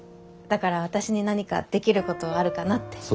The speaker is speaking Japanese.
だから私に何かできることはあるかなって。